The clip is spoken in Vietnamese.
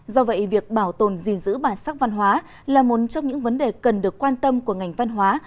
do vậy việc bảo tồn gìn giữ bản sắc văn hóa là một trong những vấn đề cần được quan tâm của ngành văn hóa